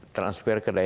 transfer ke daerah